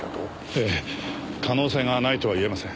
ええ可能性がないとは言えません。